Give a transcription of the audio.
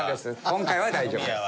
今回は大丈夫です。